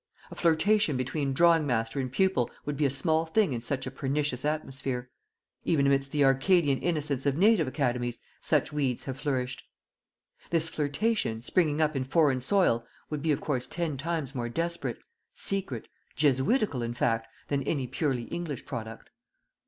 A flirtation between drawing master and pupil would be a small thing in such a pernicious atmosphere. Even amidst the Arcadian innocence of native academies such weeds have flourished This flirtation, springing up in foreign soil, would be of course ten times more desperate, secret, jesuitical in fact, than any purely English product.